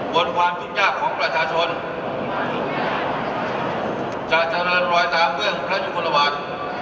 บนความยุ่งยากของประชาชนจะเจริญรอยตามเบื้องพระยุคลวัน